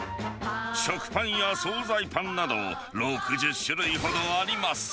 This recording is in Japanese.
食パンや総菜パンなど６０種類ほどあります。